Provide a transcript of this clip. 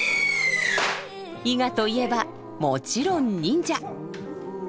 伊賀といえばもちろん忍者。